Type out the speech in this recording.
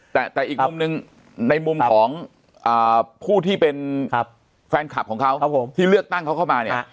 แต่อีกมุมหนึ่งในมุมของผู้ที่เป็นแฟนคลับของเขาที่เลือกตั้งเขาเข้ามาเนี่ย